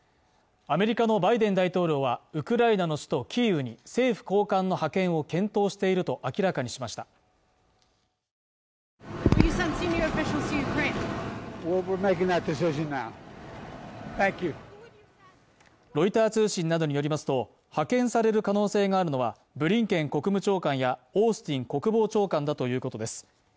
アメリカのバイデン大統領はウクライナの首都キーウに政府高官の派遣を検討していると明らかにしましたロイター通信などによりますと派遣される可能性があるのはブリンケン国務長官やオースティン国防長官だということです